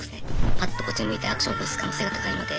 パッとこっち向いてアクション起こす可能性が高いので。